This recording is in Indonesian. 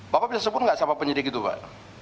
bapak bisa sebut nggak sama penyidik itu pak